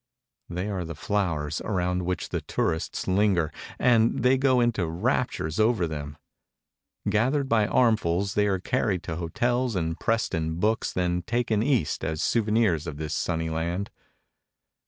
They are the flowers, around which the tourists linger, and they go into raptures over them. Gathered by armfuls, they are carried to hotels and pressed in books, then taken East, as souvenirs of this sunny land.